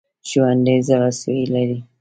ژوندي زړسوي لري